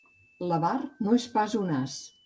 L'avar no és pas un as.